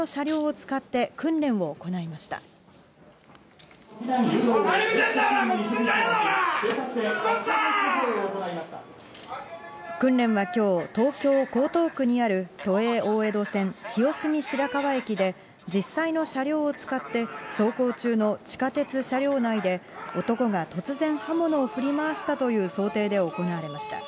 何見てんだ、こっちくんな、訓練はきょう、東京・江東区にある都営大江戸線清澄白河駅で、実際の車両を使って、走行中の地下鉄車両内で、男が突然刃物を振り回したという想定で行われました。